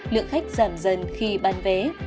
lượng khách giảm dần khi ban vé